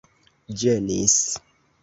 ĝenis